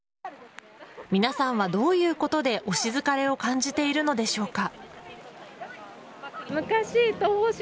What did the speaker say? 皆さんはどういうことで推し疲れを感じているのでしょうか。